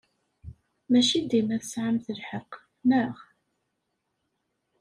Maci dima tesɛamt lḥeqq, naɣ?